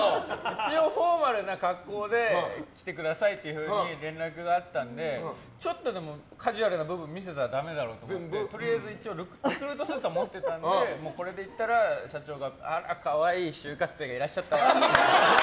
一応フォーマルな格好で来てくださいと連絡があったんでちょっとでもカジュアルな部分見せたらダメだろうと思って、とりあえず一応リクルートスーツは持ってたので、これで行ったら社長が、あら可愛い就活生がいらっしゃったわって。